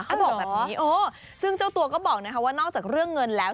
เขาบอกแบบนี้ซึ่งเจ้าตัวก็บอกนะคะว่านอกจากเรื่องเงินแล้ว